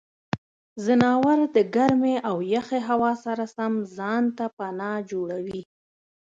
ځناور د ګرمې او یخې هوا سره سم ځان ته پناه جوړوي.